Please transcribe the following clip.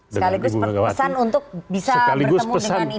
sekaligus pesan untuk bisa bertemu dengan ibu